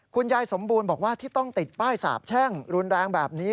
คุณยายสมบูรณ์บอกว่าที่ต้องติดป้ายสาบแช่งรุนแรงแบบนี้